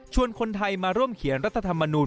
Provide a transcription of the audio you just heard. คนไทยมาร่วมเขียนรัฐธรรมนูล